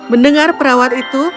mendengar perawat itu